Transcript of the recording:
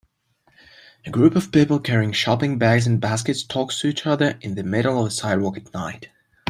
A group of people carrying shopping bags and baskets talks to each other in the middle of a sidewalk at night